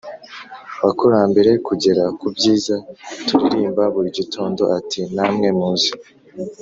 abakurambere kugera ku byiza turirimba buri gitondo Ati Namwe muze